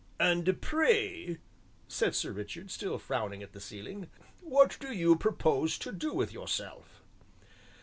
"And pray," said Sir Richard, still frowning at the ceiling, "what do you propose to do with yourself?"